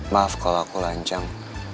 maaf kalau aku lancang